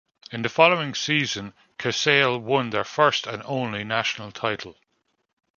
In the following season Casale won their first and only national title.